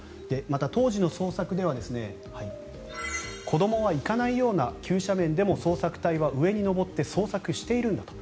また、当時の捜索では子どもは行かないような急斜面でも捜索隊は上に登って捜索しているんだと。